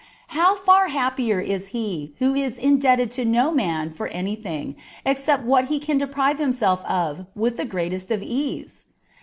How far happier is he who is indebted to no man for anything except for what he can deprive himself of with the greatest ease